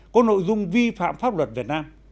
của nội dung vi phạm pháp luật việt nam